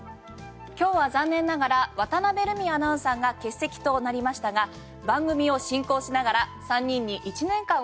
今日は残念ながら渡辺瑠海アナウンサーが欠席となりましたが番組を進行しながら３人に１年間を振り返ってもらいます。